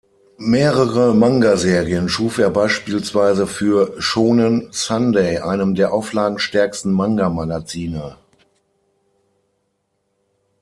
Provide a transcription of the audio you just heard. Mehrere Manga-Serien schuf er beispielsweise für "Shōnen Sunday", einem der auflagenstärksten Manga-Magazine.